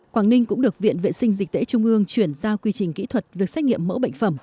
quảng ninh cũng được viện vệ sinh dịch tễ trung ương chuyển ra quy trình kỹ thuật việc xét nghiệm mỡ bệnh phẩm